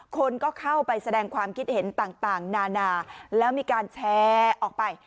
คนก็เข้าไปแสดงความคิดเห็นต่างนานาแล้วมีการแชร์ออกไป